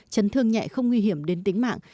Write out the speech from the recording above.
chấn thương nhẹ không nguy hiểm đến tính mạng